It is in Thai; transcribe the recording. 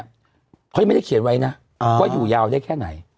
เขายังไม่ได้เขียนไว้นะว่าอยู่ยาวได้แค่ไหน